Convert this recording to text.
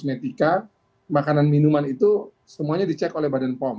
etika makanan minuman itu semuanya dicek oleh badan pom